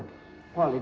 terima kasih om